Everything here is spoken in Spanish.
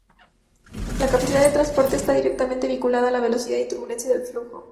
La capacidad de transporte está directamente vinculada a la velocidad y turbulencia del flujo.